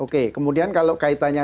kemudian kalau kaitannya